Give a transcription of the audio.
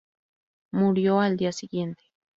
Murió al día siguiente.